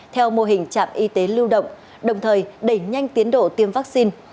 theo mô hình trạm y tế lưu động đồng thời đẩy nhanh tiến độ tiêm vaccine